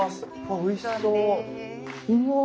あっおいしそう。